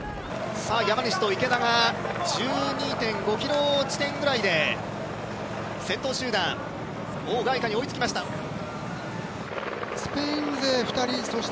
山西と池田が１２．５ｋｍ地点ぐらいで先頭集団オウ・ガイカに追いつきました。